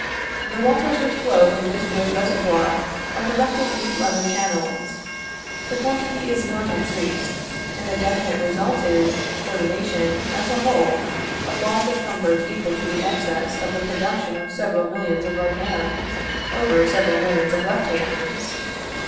The waters which flow from this great reservoir are directed into other channels; the quantity is not increased, and the definite result is, for the nation, as a whole, a loss of comfort equal to the excess of the production of several millions of right hands, over several millions of left hands.